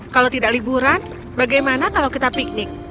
kalau tidak liburan bagaimana kalau kita piknik